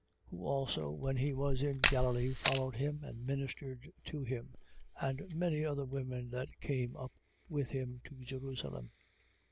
Who also when he was in Galilee followed him and ministered to him, and many other women that came up with him to Jerusalem.